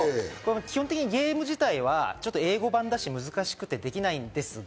基本的にゲーム自体は英語版だし、難しくてできないんですが。